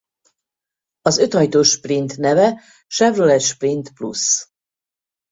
Az ötajtós Sprint neve Chevrolet Sprint Plus.